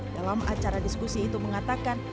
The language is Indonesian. dalam acara diskusi itu mengatakan